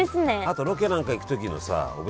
あとロケなんか行くときのさお